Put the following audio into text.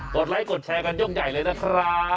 ดไลค์กดแชร์กันยกใหญ่เลยนะครับ